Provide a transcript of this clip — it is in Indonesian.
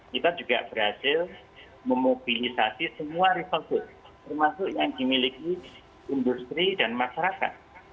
kita juga berhasil memobilisasi semua rival food termasuk yang dimiliki industri dan masyarakat